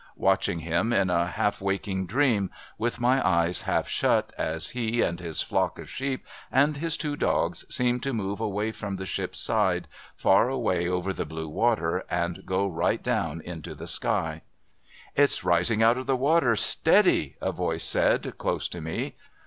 Watching him in a half waking dream, with my eyes half shut, as he, and his tiock of sheep, and his two dogs, seemed to move away from the ship's side, far away over the blue water, and go right down into the sky. ' It's rising out of the water, steady,' a voice said close to me.